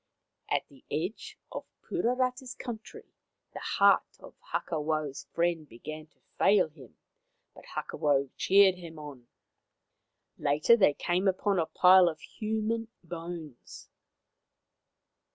At the edge of Puarata's country the heart of Hakawau' s friend began to fail him, but Hakawau cheered him on. Later they came upon a pile of human bones.